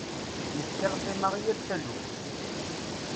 Yefka lqima i yal taluft.